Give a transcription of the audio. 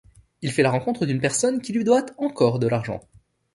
Il fait la rencontre d'une personne qui lui doit encore de l'argent.